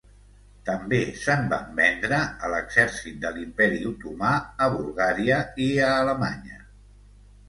També se'n van vendre a l'exèrcit de l'Imperi Otomà, a Bulgària i a Alemanya.